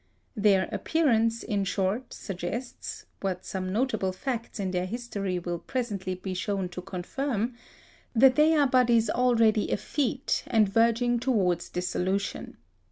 Their appearance, in short, suggests what some notable facts in their history will presently be shown to confirm that they are bodies already effete, and verging towards dissolution.